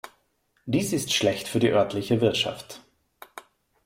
Dies ist schlecht für die örtliche Wirtschaft.